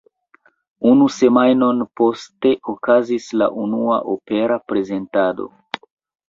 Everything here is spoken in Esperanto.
Unu semajnon poste okazis la unua opera prezentado.